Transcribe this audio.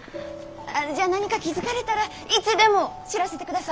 じゃ何か気付かれたらいつでも知らせてください。